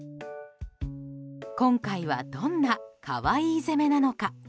今回はどんな可愛い攻めなのか。